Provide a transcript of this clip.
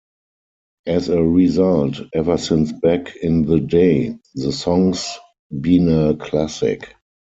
As a result, ever since back in the day, the song's been a classic.